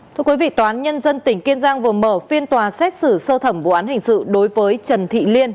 thưa quý vị tòa án nhân dân tỉnh kiên giang vừa mở phiên tòa xét xử sơ thẩm vụ án hình sự đối với trần thị liên